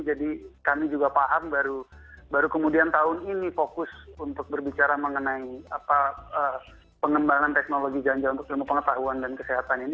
jadi kami juga paham baru kemudian tahun ini fokus untuk berbicara mengenai pengembangan teknologi janja untuk pengetahuan dan kesehatan ini